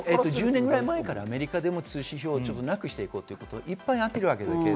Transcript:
１０年ぐらい前からアメリカでも通知表をなくしていこうということをいっぱいやっています。